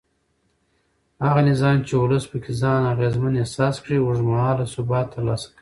هغه نظام چې ولس پکې ځان اغېزمن احساس کړي اوږد مهاله ثبات ترلاسه کوي